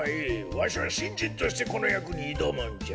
わしはしんじんとしてこのやくにいどむんじゃ。